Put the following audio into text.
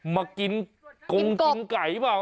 มากินกลงกลิ่นไก่หรือเปล่า